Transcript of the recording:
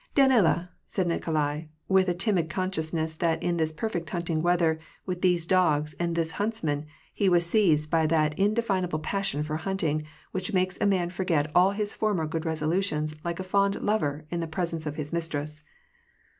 '' Danila !" said Nikolai, with a timid consciousness that in this perfect hunting weather, with these dogs, and this hunts man, he was seized by that indefinable passion for hunting which makes a man forget all his former good resolutions like a fond lover in the presence of his mistress.